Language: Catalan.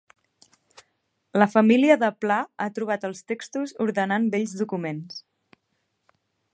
La família de Pla ha trobat els textos ordenant vells documents